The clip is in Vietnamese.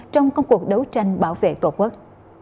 trong các cuộc đấu tranh bảo vệ tổ quốc